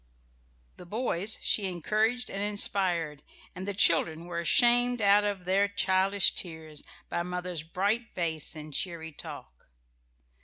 The boys she encouraged and inspired, and the children were shamed out of their childish tears by mother's bright face and cheery talk.